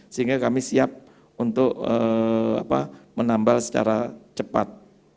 sehingga kami siap untuk menambal secara cepat